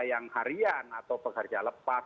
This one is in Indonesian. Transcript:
yang harian atau pekerja lepas